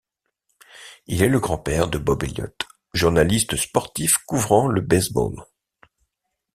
Il est le grand-père de Bob Elliott, journaliste sportif couvrant le baseball.